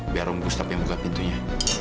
biar om gustaf yang buka pintunya